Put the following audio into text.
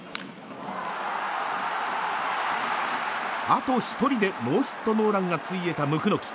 あと１人でノーヒットノーランがついえた椋木。